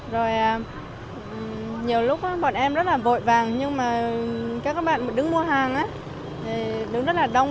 rồi nhiều lúc bọn em rất là vội vàng nhưng mà các bạn đứng mua hàng thì đứng rất là đông